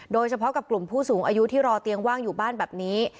โดยเฉพาะกับกลุ่มผู้สูงอายุที่รอเตียงว่างอยู่บ้านแบบนี้